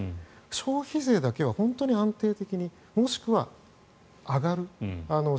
消費税だけは本当に安定的にもしくは収入が上がる。